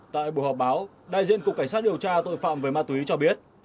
tại buổi họp báo đại diện cục cảnh sát điều tra tội phạm về ma túy cho biết